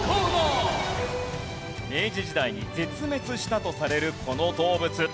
明治時代に絶滅したとされるこの動物。